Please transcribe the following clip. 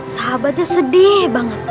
sahabatnya sedih banget